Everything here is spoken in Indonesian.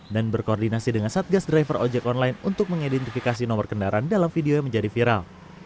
dan berkoordinasi dengan satgas driver ojek online untuk mengidentifikasi nomor kendaraan dalam video yang menjadi viral